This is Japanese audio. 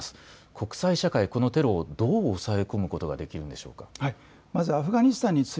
国際社会このテロをどう押さえ込むことができるんでしょうか。